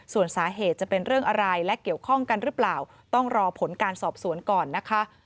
ส่วนสาเหตุจะเป็นเรื่องอะไรและเกี่ยวข้องกันหรือเปล่าต้องรอผลการสอบสวนก่อนนะคะ